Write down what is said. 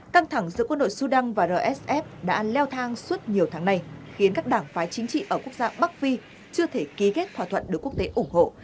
căng thẳng giữa quân đội sudan và rsf đã leo thang suốt nhiều tháng nay khiến các đảng phái chính trị ở quốc gia bắc phi chưa thể ký kết thỏa thuận được quốc tế ủng hộ